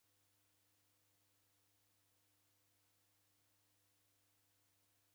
Maw'anu ghediw'a nyamandu ra isakenyi.